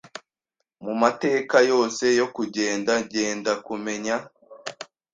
Mu mateka yose yo kugenda genda kumenya